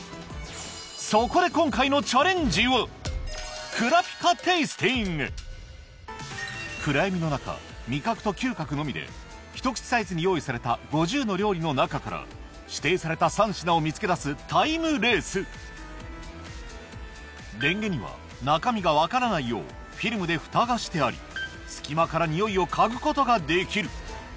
そこで暗闇の中味覚と嗅覚のみで一口サイズに用意された５０の料理の中から指定された３品を見つけ出すタイムレースレンゲには中身が分からないようフィルムでフタがしてあり隙間から匂いを嗅ぐことができる